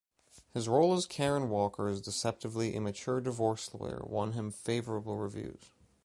His role as Karen Walker's deceptively immature divorce lawyer won him favorable reviews.